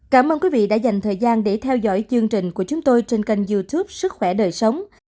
cảm ơn quý vị đã dành thời gian để theo dõi chương trình của chúng tôi trên kênh youtube sức khỏe đời sống